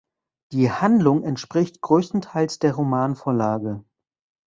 Die Handlung entspricht größtenteils der Romanvorlage.